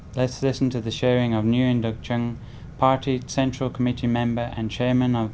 chủ tịch ubnd tp hà nội nguyễn đức trung về công tác đối ngoại trong giai đoạn phát triển mới